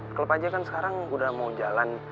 klub aja kan sekarang udah mau jalan